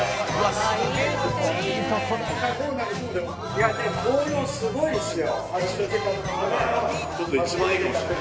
いやでも紅葉すごいですよ。